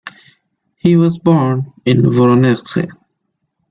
He was born in Voronezh.